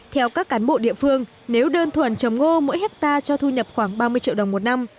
theo các cán bộ địa phương nếu đơn thuần trồng ngô mỗi hectare cho thu nhập khoảng ba mươi triệu đồng một năm